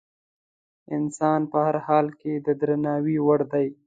انسان په هر حال کې د درناوي وړ دی.